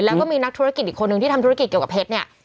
แล้วก็มีนักธุรกิจอีกคนนึงที่ทำธุรกิจเกี่ยวกับเพชรเนี่ย